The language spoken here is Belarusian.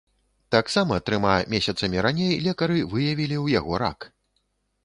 Таксама трыма месяцамі раней лекары выявілі ў яго рак.